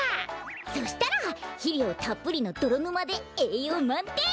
そしたらひりょうたっぷりのどろぬまでえいようまんてん！